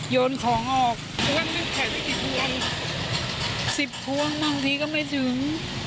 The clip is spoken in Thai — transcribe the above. โยนของออกสิบพวงสิบพวงบางทีก็ไม่ถึง